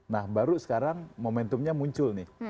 nah baru sekarang momentumnya muncul nih